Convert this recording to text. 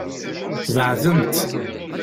Beɛdent.